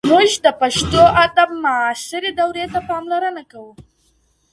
موږ د پښتو ادب معاصرې دورې ته پاملرنه کوو.